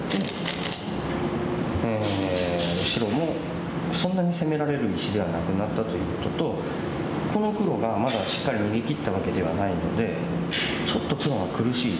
白もそんなに攻められる石ではなくなったということとこの黒がまだしっかり逃げきったわけではないのでちょっと黒が苦しい。